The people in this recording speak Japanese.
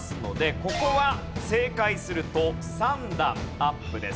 ここは正解すると３段アップです。